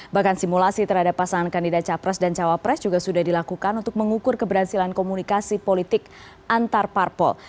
bahkan simulasi terhadap pasangan kandidat capres dan cawapres juga sudah dilakukan untuk mengukur keberhasilan komunikasi politik antar parpol